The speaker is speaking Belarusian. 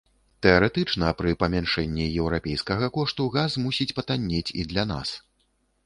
Тэарэтычна пры памяншэнні еўрапейскага кошту, газ мусіць патаннець і для нас.